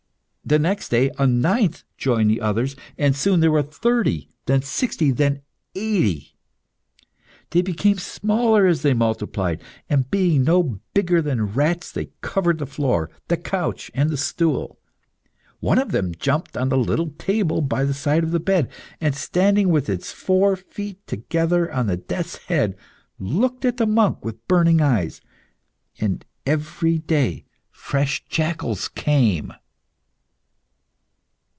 The next day, a ninth joined the others, and soon there were thirty, then sixty, then eighty. They became smaller as they multiplied, and being no bigger than rats, they covered the floor, the couch, and the stool. One of them jumped on the little table by the side of the bed, and standing with its four feet together on the death's head, looked at the monk with burning eyes. And every day fresh jackals came.